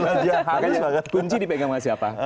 makanya sebagai kunci dipegang sama siapa